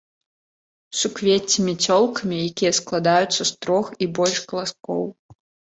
Суквецці мяцёлкамі, якія складаюцца з трох і больш каласкоў.